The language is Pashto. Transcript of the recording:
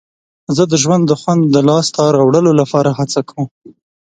زه د ژوند د خوند د لاسته راوړلو لپاره هڅه کوم.